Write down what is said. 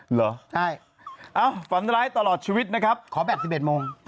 เหรอใช่เอ้าฝันร้ายตลอดชีวิตนะครับขอแบบ๑๑โมง